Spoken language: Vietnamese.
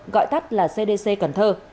gọi tắt là cdc cần thơ